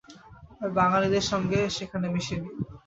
আমি বাঙালিদের সঙ্গে সেখানে মিশি নি।